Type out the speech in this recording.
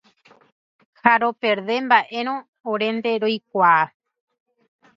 ha roperde mba'érõ orénte roikuaa.